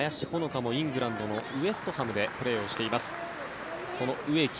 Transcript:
林穂之香もイングランドのウェストハムでプレーしています。